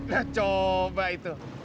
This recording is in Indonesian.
nah coba itu